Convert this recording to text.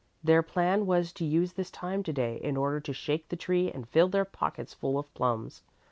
Their plan was to use this time to day in order to shake the tree and fill their pockets full of plums.